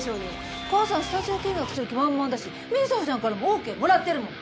お母さんスタジオ見学する気満々だし瑞穂ちゃんからもオーケーもらってるもん。